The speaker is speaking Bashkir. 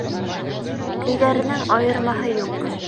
Көйҙәренең айырмаһы юҡ.